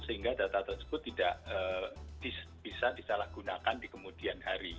sehingga data tersebut tidak bisa disalahgunakan di kemudian hari